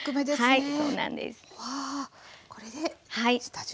はい。